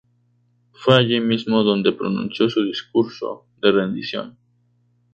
Fue allí mismo donde pronunció su discurso de rendición.